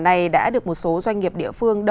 này đã được một số doanh nghiệp địa phương